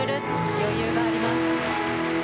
余裕があります。